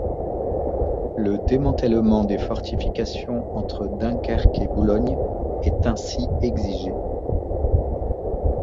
Le démantèlement des fortifications entre Dunkerque et Boulogne est ainsi exigé.